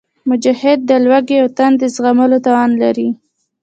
مجاهد د لوږې او تندې زغملو توان لري.